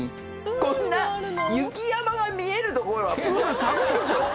こんな雪山が見える所はプール寒いでしょ。